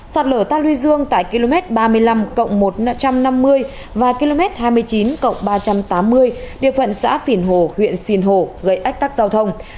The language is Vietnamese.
sạt lở ta luy dương tại km ba mươi năm một trăm năm mươi và km hai mươi chín ba trăm tám mươi địa phận xã phìn hồ huyện sinh hồ gây ách tắc giao thông